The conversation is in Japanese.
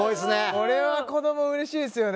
これは子どもうれしいですよね。